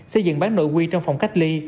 xây dựng bán nội quy trong phòng cách ly